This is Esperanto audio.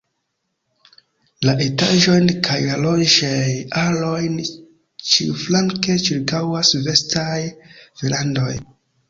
La etaĝojn kaj la loĝej-alojn ĉiuflanke ĉirkaŭas vastaj verandoj.